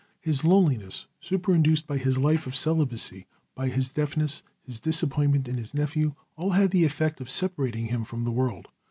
His loneliness, superinduced by his life of celibacy, by his deafness, his disappointment in his nephew, all had the effect of separating him from the world.